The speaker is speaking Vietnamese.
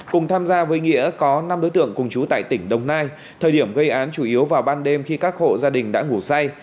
cùng tham gia với nghĩa có năm đối tượng cùng chú tại tỉnh đồng nai thời điểm gây án chủ yếu vào ban đêm khi các hộ gia đình đã ngủ say